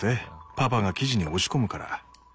パパが生地に押し込むから。